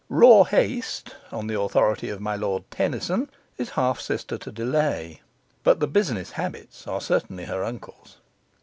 Raw Haste, on the authority of my Lord Tennyson, is half sister to Delay; but the Business Habits are certainly her uncles.